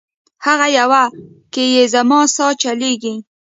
هغه یوه کي زما سا چلیږي